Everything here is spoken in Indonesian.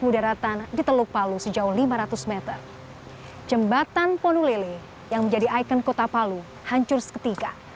selatan ponulele yang menjadi ikon kota palu hancur seketika